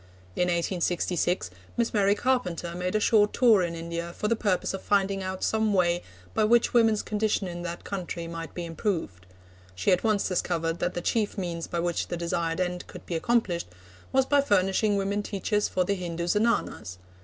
In 1866, Miss Mary Carpenter made a short tour in India for the purpose of finding out some way by which women's condition in that country might be improved. She at once discovered that the chief means by which the desired end could be accomplished was by furnishing women teachers for the Hindu Zenanas.